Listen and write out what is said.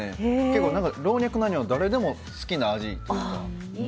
結構、老若男女誰でも好きな味というか。